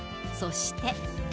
そして。